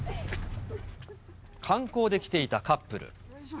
観光で来ていたカップル。